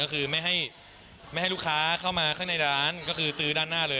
คือไม่ให้ลูกค้าเข้ามาด้านแบบนี้ซื้อด้านหน้าเลย